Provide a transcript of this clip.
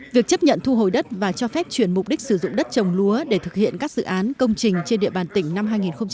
việc chấp nhận thu hồi đất và cho phép chuyển mục đích sử dụng đất trồng lúa để thực hiện các dự án công trình trên địa bàn tỉnh năm hai nghìn một mươi chín